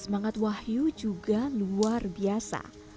semangat wahyu juga luar biasa